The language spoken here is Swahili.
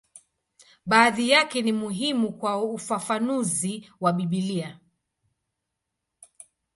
Baadhi yake ni muhimu kwa ufafanuzi wa Biblia.